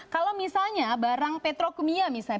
kalau misalnya barang petrokimia misalnya